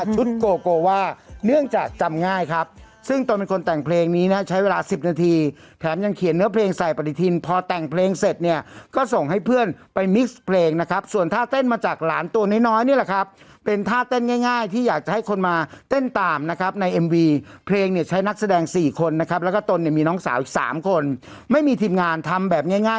ตรงเนี้ยบางจุดตอนเนี้ยพี่ไปเจอแบบประมาณกำลังอยากจะไปอีกที่หนึ่งอ่า